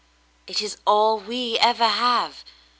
It is all we ever have.